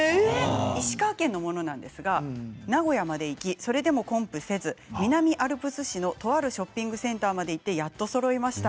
石川県の者なんですが名古屋まで行きそれでもコンプせず南アルプス市の、とあるショッピングセンターまで行ってやっと、そろいました。